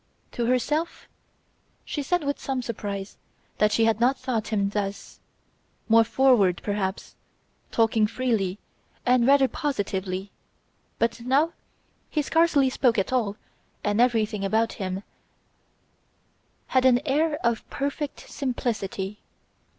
To herself she said with some surprise that she had not thought him thus more forward perhaps, talking freely and rather positively but now he scarcely spoke at all and everything about him had an air of perfect simplicity.